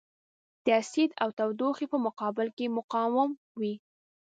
د اسید او تودوخې په مقابل کې مقاوم وي.